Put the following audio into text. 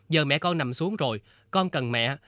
giờ mẹ con nằm xuống rồi con cần mẹ